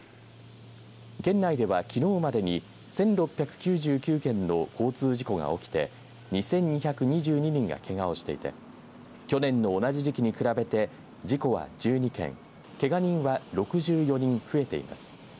県内では、きのうまでに１６９９件の交通事故が起きて２２２２人がけがをしていて去年の同じ時期に比べて事故は１２件けが人は６４人増えています。